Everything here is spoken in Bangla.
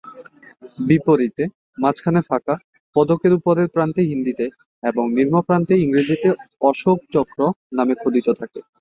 বিপরীতে: মাঝখানে ফাঁকা, পদকের উপরের প্রান্তে হিন্দিতে এবং নিম্ন প্রান্তে ইংরেজিতে "অশোক চক্র" নাম খোদিত থাকে।